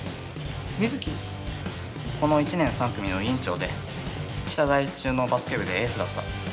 この１年３組の委員長で北第一中のバスケ部でエースだった。